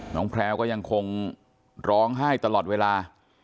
แพรวก็ยังคงร้องไห้ตลอดเวลา